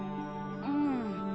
うん。